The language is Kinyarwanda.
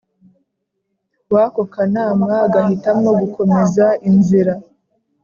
w ako kanama agahitamo gukomeza inzira